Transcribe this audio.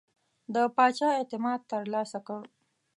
د پاچا اعتماد ترلاسه کړ.